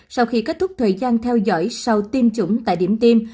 sau khi kết thúc thời gian theo dõi sau tiêm chủng tại điểm tiêm